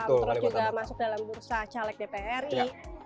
terus juga masuk dalam bursa caleg dpr